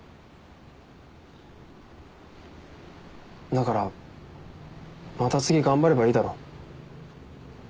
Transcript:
だからまた次頑張ればいいだろ。